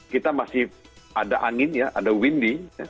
kita masih ada angin ya ada windy